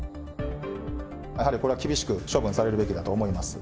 やはりこれは厳しく処分されるべきだと思います。